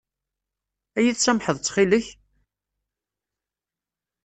Ad iyi-tsamḥeḍ ttxil-k?